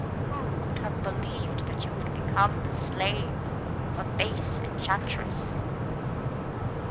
Who could have believed that you would become the slave of a base enchantress?